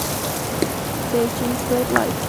The Chieftains Live!